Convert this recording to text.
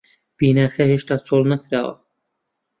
بیناکە هێشتا چۆڵ نەکراوە.